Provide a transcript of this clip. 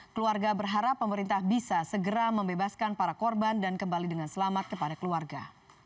keluarga berharap pemerintah bisa segera membebaskan para korban dan kembali dengan selamat kepada keluarga